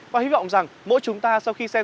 và hy vọng rằng mỗi chúng ta sau khi xem